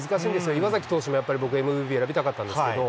いわさき投手も、僕ＭＶＰに選びたかったんですけど。